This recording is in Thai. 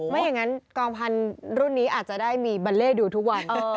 ไม่อย่างนั้นกองพันธุ์รุ่นนี้อาจจะได้มีบัลเล่ดูทุกวัน